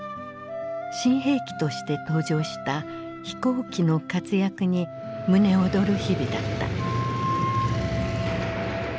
新兵器として登場した飛行機の活躍に胸躍る日々だった。